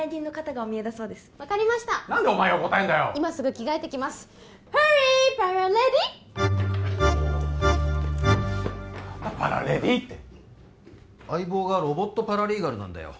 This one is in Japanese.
おお何だパラレディって相棒がロボットパラリーガルなんだよ